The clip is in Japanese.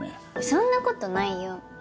そんなことないよ。